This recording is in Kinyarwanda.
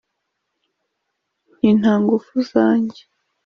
nti: “nta ngufu zange